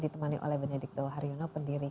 ditemani oleh benedikto harjono pendiri